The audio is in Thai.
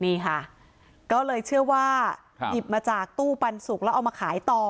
นี่ค่ะก็เลยเชื่อว่าหยิบมาจากตู้ปันสุกแล้วเอามาขายต่อ